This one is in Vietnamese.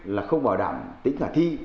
là không bảo đảm tính thả thi